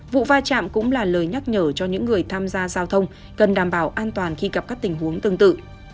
vụ va chạm cũng là lời nhắc nhở cho những người tham gia giao thông cần đảm bảo an toàn khi gặp các tình huống tương tự